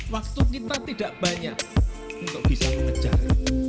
waktu kita tidak banyak untuk bisa mengejar